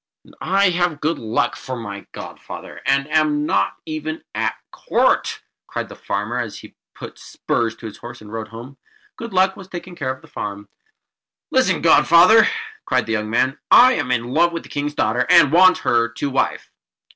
"And I have Good Luck for my godfather, and am not even at court!" cried the farmer; and he put spurs to his horse, and rode home. Good Luck was taking care of the farm. "Listen, Godfather!" cried the young man. "I am in love with the King's daughter, and want her to wife."